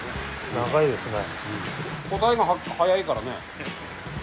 長いですね。